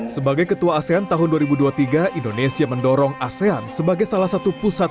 sebagai ketua asean tahun dua ribu dua puluh tiga indonesia mendorong asean sebagai salah satu pusat